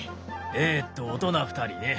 えと大人２人ね。